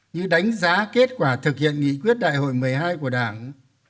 như đánh giá kết quả thực hiện nghị quyết đại hội một mươi hai của đảng